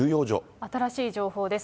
新しい情報です。